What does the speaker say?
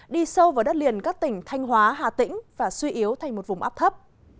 đi sâu vào đất liền các tỉnh thanh hóa hà tĩnh và suy yếu thành một vùng áp thấp